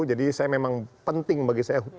jadi saya memang penting bagi saya